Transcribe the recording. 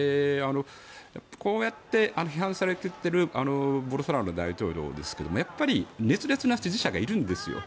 こうやって批判されているボルソナロ大統領ですけどやっぱり熱烈な支持者がいるんですよ。